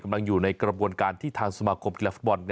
อยู่ในกระบวนการที่ทางสมาคมกีฬาฟุตบอล